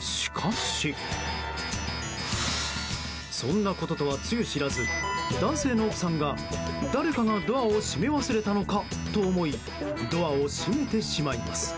しかし、そんなこととはつゆ知らず男性の奥さんが誰かがドアを閉め忘れたのかと思いドアを閉めてしまいます。